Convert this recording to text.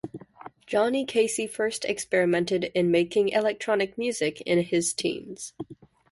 Johnny Casey first experimented in making electronic music in his teens.